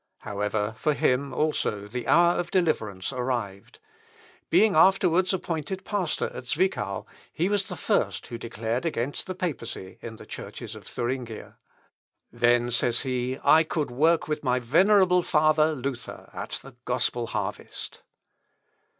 However, for him also the hour of deliverance arrived. Being afterwards appointed pastor at Zwickau, he was the first who declared against the papacy in the churches of Thuringia. "Then," says he, "I could work with my venerable father Luther at the Gospel harvest."